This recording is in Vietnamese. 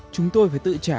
chúng tôi phải tự trả